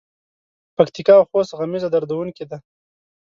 پکتیکا او خوست غمیزه دردوونکې ده.